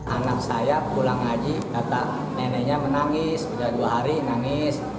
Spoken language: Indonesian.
anak saya pulang haji neneknya menangis sudah dua hari nangis